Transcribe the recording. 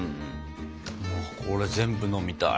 これ全部飲みたい。